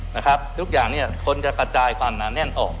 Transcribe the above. นะครับทุกอย่างเนี่ยคนจะกระจายความหนาแน่นออก